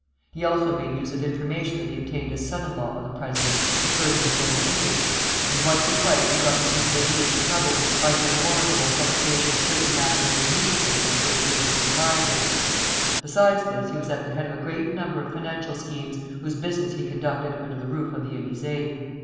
He also made use of information that he obtained as son in law of the president to further his own interests, and once or twice he got M. Grévy into trouble by the unwarrantable publication of certain matters in a newspaper of which he was the proprietor. Besides this he was at the head of a great number of financial schemes, whose business he conducted under the roof of the Élysée.